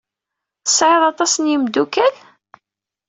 Tesɛiḍ aṭas n yimeddukal?